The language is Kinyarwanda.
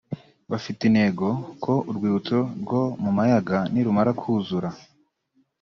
Bafite intego ko urwibutso rwo ku Mayaga nirumara kuzura